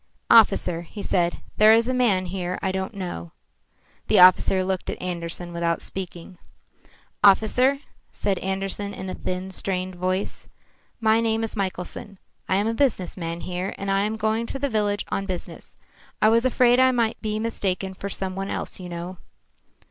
"Officer," he said, "there is a man here I don't know." The officer looked at Andersen without speaking. "Officer," said Andersen in a thin, strained voice, "my name is Michelson. I am a business man here, and I am going to the village on business. I was afraid I might be mistaken for some one else you know."